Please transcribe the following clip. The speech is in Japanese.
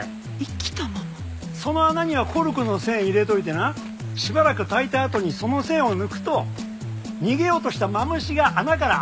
その穴にはコルクの栓入れといてなしばらく炊いたあとにその栓を抜くと逃げようとしたマムシが穴から頭を出すんやて。